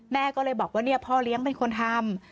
แม่ก็เลยบอกว่าเนี่ยพ่อเลี้ยงเป็นคนทำ